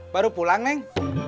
baru pulang neng